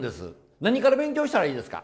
何から勉強したらいいですか？